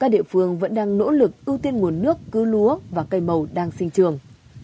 các địa phương vẫn đang nỗ lực ưu tiên nguồn nước cứ lúa và cây màu đang sinh trường